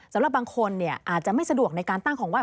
สำหรับบางคนอาจจะไม่สะดวกในการตั้งของไห้